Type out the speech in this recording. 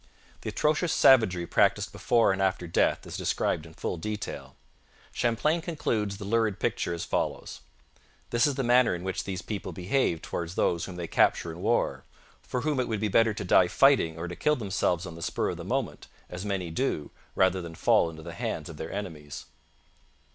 The atrocious savagery practised before and after death is described in full detail. Champlain concludes the lurid picture as follows: 'This is the manner in which these people behave towards those whom they capture in war, for whom it would be better to die fighting or to kill themselves on the spur of the moment, as many do rather than fall into the hands of their enemies.'